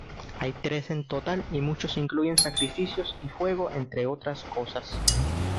Hay trece en total, y muchos incluyen sacrificios y fuego entre otras cosas.